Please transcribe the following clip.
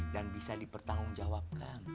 dan bisa dipertanggung jawabkan